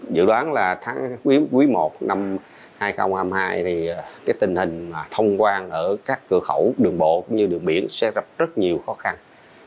dự đoán là quý i năm hai nghìn hai mươi hai thì tình hình thông quan ở các cửa khẩu đường bộ cũng như đường biển sẽ gặp rất nhiều khó khăn